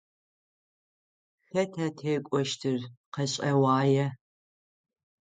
Хэта текӏощтыр? Къэшӏэгъуае.